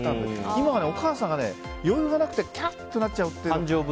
今はお母さんが余裕がなくてキャーってなっちゃう。